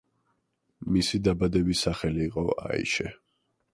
მისი დაბადების სახელი იყო აიშე.